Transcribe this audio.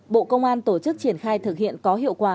bộ công an tổ chức triển khai thực hiện có hiệu quả